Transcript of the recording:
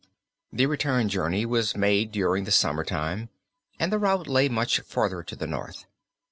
The return journey was made during the summertime, and the route lay much farther to the north.